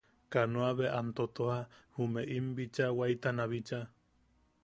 Kanoa bea am totoja jume, im bicha waitana bicha.